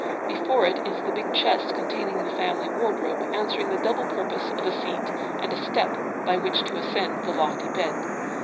Before it is the big chest containing the family wardrobe, answering the double purpose of a seat and a step by which to ascend the lofty bed.